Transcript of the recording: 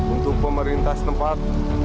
untuk pemerintah setempat